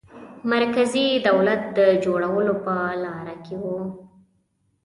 مرکزي دولت د جوړولو په لاره کې وو.